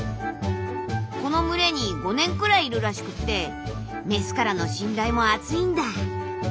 この群れに５年くらいいるらしくってメスからの信頼も厚いんだ。